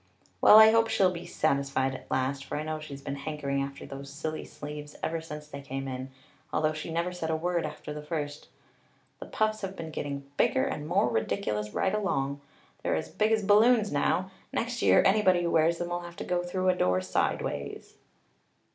Well, I hope she'll be satisfied at last, for I know she's been hankering after those silly sleeves ever since they came in, although she never said a word after the first. The puffs have been getting bigger and more ridiculous right along; they're as big as balloons now. Next year anybody who wears them will have to go through a door sideways."